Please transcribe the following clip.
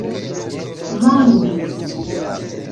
manĝus